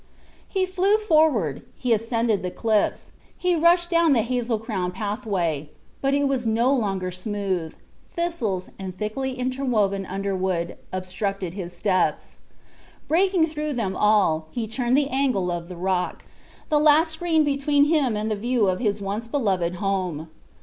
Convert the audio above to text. He flew forward; he ascended the cliffs; he rushed down the hazel crowned pathway but it was no longer smooth; thistles, and thickly interwoven underwood, obstructed his steps. Breaking through them all, he turned the angle of the rock the last screen between him and the view of his once beloved home.